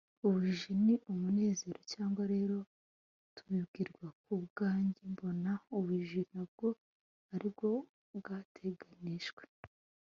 ubujiji ni umunezero, cyangwa rero tubwirwa. ku bwanjye, mbona ubujiji nabwo ari bwo bwateganijwe